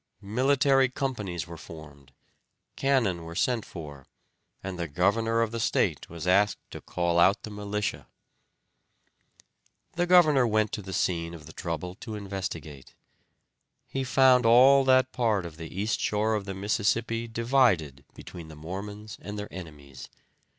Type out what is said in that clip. Military companies were formed, cannon were sent for, and the governor of the state was asked to call out the militia. The governor went to the scene of the trouble to investigate. He found all that part of the east shore of the Mississippi divided between the Mormons and their enemies.